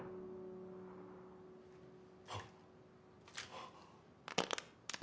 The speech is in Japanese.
あっ。